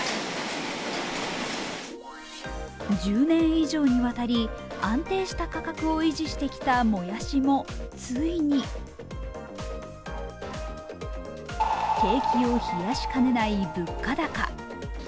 １０年以上にわたり安定した価格を維持してきたもやしもついに景気を冷やしかねない物価高。